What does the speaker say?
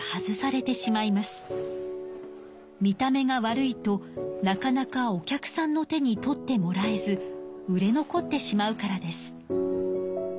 見た目が悪いとなかなかお客さんの手に取ってもらえず売れ残ってしまうからです。